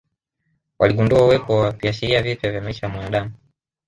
Waligundua uwepo wa viashiria vipya vya maisha ya mwanadamu